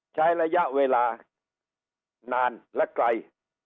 ใช้ระยะเวลานานและไกล